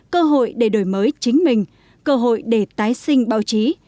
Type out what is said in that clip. cơ hội để đổi mới chính mình cơ hội để tái sinh báo chí